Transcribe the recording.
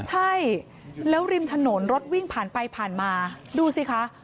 ใช่แล้วริมถนนรถวิ่งผ่านไปผ่านมาดูสิคะ